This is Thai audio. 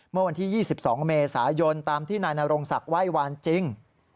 เมื่อวันที่๒๒เมษายนตามที่นายนรงศักดิ์ไหว้วานจริง